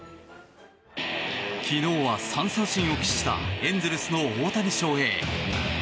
昨日は３三振を喫したエンゼルスの大谷翔平。